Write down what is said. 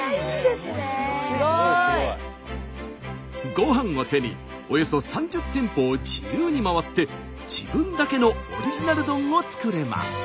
ご飯を手におよそ３０店舗を自由に回って自分だけのオリジナル丼を作れます。